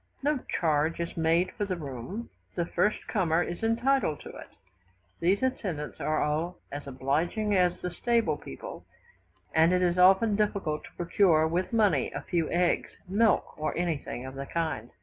No charge is made for the room, the first comer is entitled to it. These attendants are as obliging as the stable people, and it is often difficult to procure with money a few eggs, milk, or anything of the kind.